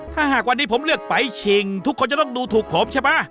ถ้าหากวันนี้ผมเลือกไปชิงทุกคนจะต้องดูถูกผมใช่ไหม